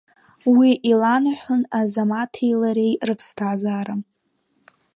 Уи иланаҳәон Азамаҭи лареи рыԥсҭазаара.